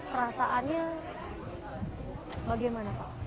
perasaannya bagaimana pak